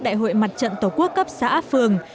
đại hội mặt trận tổ quốc cấp xã phường